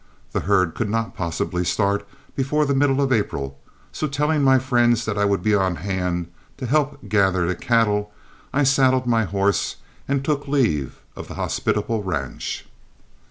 The herd could not possibly start before the middle of April, so telling my friends that I would be on hand to help gather the cattle, I saddled my horse and took leave of the hospitable ranch.